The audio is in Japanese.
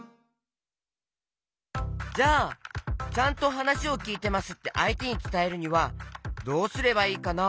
じゃあ「ちゃんとはなしをきいてます」ってあいてにつたえるにはどうすればいいかな？